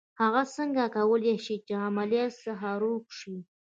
هغه څنګه کولای شي چې له عمليات څخه روغ شي.